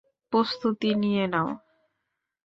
প্রস্তুতি নিয়ে নাও।